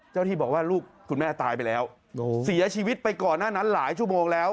ที่บอกว่าลูกคุณแม่ตายไปแล้วเสียชีวิตไปก่อนหน้านั้นหลายชั่วโมงแล้ว